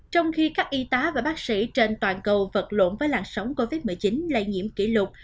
trong khi các y tá và bác sĩ trên toàn cầu vật lộn với làn sóng covid một mươi chín lây nhiễm kỷ lục